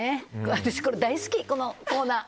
私大好き、このコーナー。